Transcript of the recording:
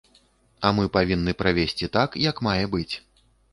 А мы павінны правесці так, як мае быць.